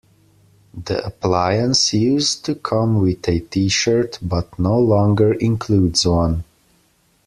The appliance used to come with a T-shirt, but no longer includes one.